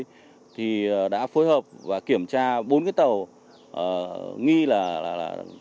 nghi là đánh bạc đánh bạc đánh bạc đánh bạc đánh bạc đánh bạc đánh bạc đánh bạc đánh bạc đánh bạc đánh bạc đánh bạc đánh bạc đánh bạc